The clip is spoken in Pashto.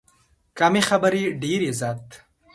کمې خبرې، ډېر عزت.